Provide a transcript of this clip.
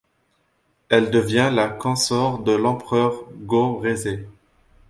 Elle devient la consort de l'empereur Go-Reizei.